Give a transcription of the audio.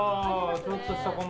ちょっとした小物。